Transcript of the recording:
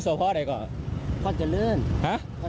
เอาอันพร้อมใส่ถุงเข้าไปงาน